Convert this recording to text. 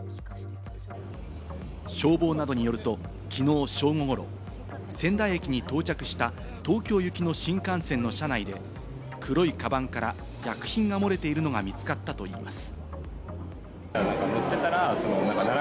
消防などによると、きのう正午ごろ、仙台駅に到着した東京行きの新幹線の車内で、黒いカバンから医薬品が漏れているのが見つかったといいます。